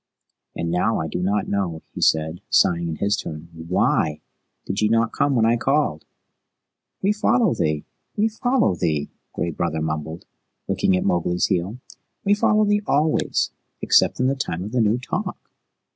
"And now I do not know," he said, sighing in his turn. "WHY did ye not come when I called?" "We follow thee we follow thee," Gray Brother mumbled, licking at Mowgli's heel. "We follow thee always, except in the Time of the New Talk."